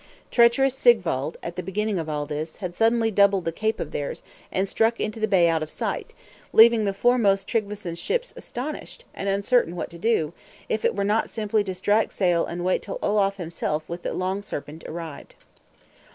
Treacherous Sigwald, at the beginning of all this, had suddenly doubled that cape of theirs, and struck into the bay out of sight, leaving the foremost Tryggveson ships astonished, and uncertain what to do, if it were not simply to strike sail and wait till Olaf himself with the Long Serpent arrived.